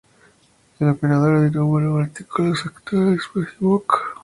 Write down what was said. El operador de número de partículas actúa en el espacio de Fock.